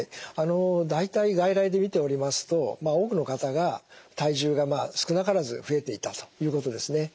大体外来で診ておりますと多くの方が体重が少なからず増えていたということですね。